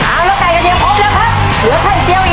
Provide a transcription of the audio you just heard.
เอาไก่กระเทียมไปเร็วลูกเออไปไปไป